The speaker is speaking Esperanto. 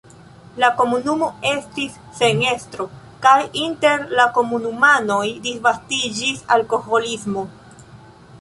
La komunumo estis sen estro kaj inter la komunumanoj disvastiĝis alkoholismo.